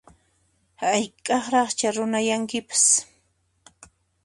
Hayk'aqraqchá runayankipas